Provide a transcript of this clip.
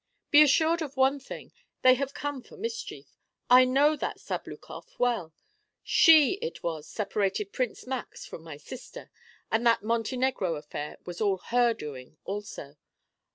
"Be assured of one thing, they have come for mischief! I know that Sabloukoff well. She it was separated Prince Max from my sister, and that Montenegro affair was all her doing also."